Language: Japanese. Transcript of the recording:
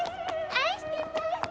愛してます。